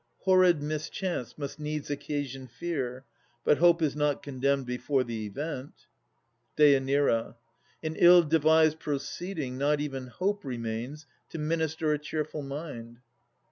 Horrid mischance must needs occasion fear. But Hope is not condemned before the event. DÊ. In ill advised proceeding not even Hope Remains to minister a cheerful mind.